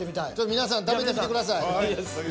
皆さん食べてみてください。